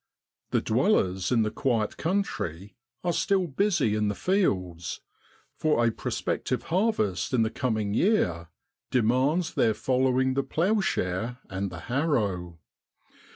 The dwellers in the quiet country are still busy in the fields, for a prospective harvest in the coming year demands their following the ploughshare and the harrow.